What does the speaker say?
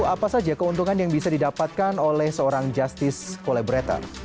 apa saja keuntungan yang bisa didapatkan oleh seorang justice collaborator